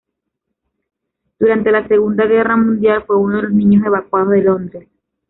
Durante la Segunda Guerra Mundial fue uno de los niños evacuados de Londres.